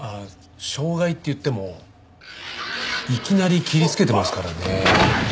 傷害っていってもいきなり切りつけてますからね。